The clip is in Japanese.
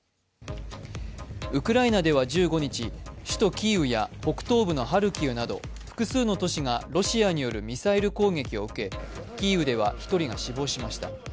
ウクライナでは１５日、首都キーウや北東部のハルキウなど複数の都市がロシアによるミサイル攻撃を受けキーウでは１人が死亡しました。